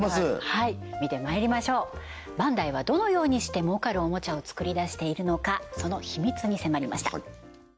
はい見てまいりましょうバンダイはどのようにして儲かるおもちゃを作り出しているのかそのヒミツに迫りました